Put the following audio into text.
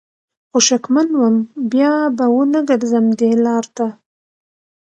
خو شکمن وم بیا به ونه ګرځم دې لار ته